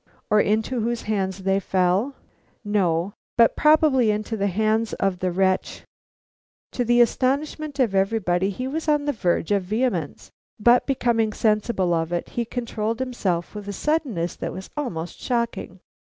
"Or into whose hands they fell?" "No, but probably into the hands of the wretch " To the astonishment of everybody he was on the verge of vehemence; but becoming sensible of it, he controlled himself with a suddenness that was almost shocking.